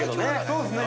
◆そうですね。